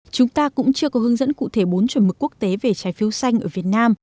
chúng ta cũng chưa có hướng dẫn cụ thể bốn chuẩn mực quốc tế về trái phiếu xanh ở việt nam